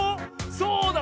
そうだ！